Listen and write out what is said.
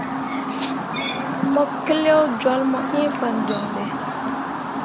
Mo keleo jolle mu ĩĩ fan joŋ ɓe.